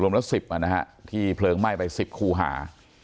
รวมละ๑๐อ่ะนะฮะที่เพลิงไหม้ไป๑๐ครูหา